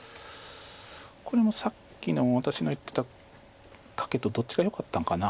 これもさっきの私の言ってたカケとどっちがよかったんかな。